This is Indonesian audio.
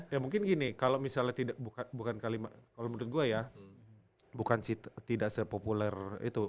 ya mungkin gini kalo misalnya tidak bukan kalimat kalo menurut gue ya bukan sih tidak sepopuler itu